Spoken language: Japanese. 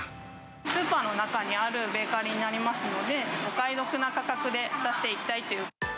スーパーの中にあるベーカリーになりますので、お買い得な価格で出していきたいという。